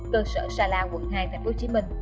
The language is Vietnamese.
cơ sở sala quận hai tp hcm